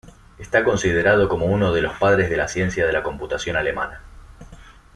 Está considerado como uno de los padres de la ciencia de la computación alemana.